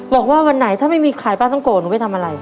บอกว่าวันไหนถ้าไม่มีขายปลาต้องโกหนูไปทำอะไร